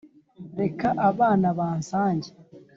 reka abana bansange